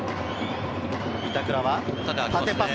板倉は縦パス。